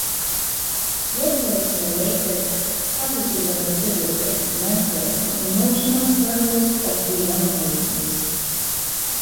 Swofford's narrative focuses on the physical, mental and emotional struggles of the young Marines.